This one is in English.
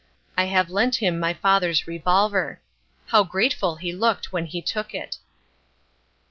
I have lent him my father's revolver. How grateful he looked when he took it.